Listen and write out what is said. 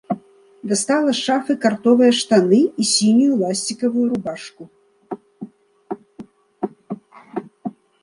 Дастала з шафы картовыя штаны і сінюю ласцікавую рубашку.